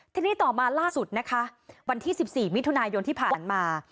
ทีนี้ต่อมาล่าสุดนะคะวันที่๑๔มิถุนายนที่ผ่านมา